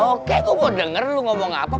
oke gua mau denger lo ngomong apa